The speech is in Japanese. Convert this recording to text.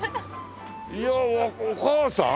いやあお母さん？